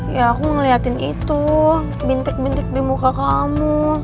ya aku ngeliatin itu bintik bintik di muka kamu